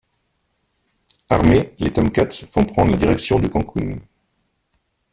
Armés, les Tomcats vont prendre la direction de Cancun.